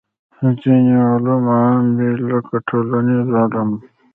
ځینې علوم عام وي لکه ټولنیز علوم.